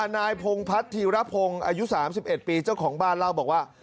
นายพงพัฒนธีรพงศ์อายุ๓๑ปีเจ้าของบ้านเล่าบอกว่า